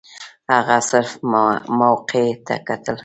هغه صرف موقع ته کتل.